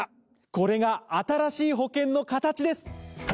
これが新しい保険の形です！